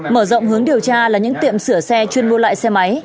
mở rộng hướng điều tra là những tiệm sửa xe chuyên mua lại xe máy